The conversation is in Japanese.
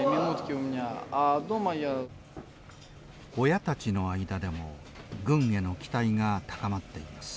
親たちの間でも軍への期待が高まっています。